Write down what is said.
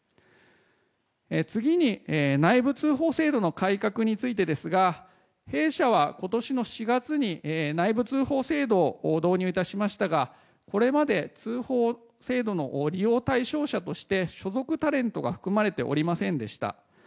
次に内部通報制度の改革についてですが弊社は今年の４月に内部通報制度を導入いたしましたがこれまで通報制度の利用対象者として所属タレントが含まれておりませんでした。